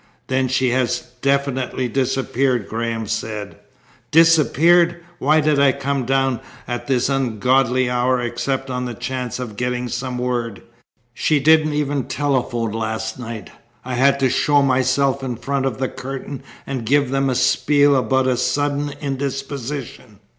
"Then she has definitely disappeared?" Graham said. "Disappeared! Why did I come down at this ungodly hour except on the chance of getting some word? She didn't even telephone last night. I had to show myself in front of the curtain and give them a spiel about a sudden indisposition.